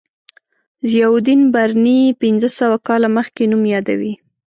ضیاءالدین برني پنځه سوه کاله مخکې نوم یادوي.